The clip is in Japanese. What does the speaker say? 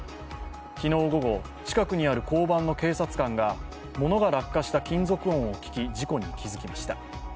昨日午後、近くにある交番の警察官が物が落下した金属音を聞き事故に気付きました。